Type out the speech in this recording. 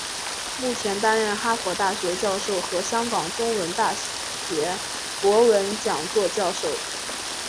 目前担任哈佛大学教授和香港中文大学博文讲座教授。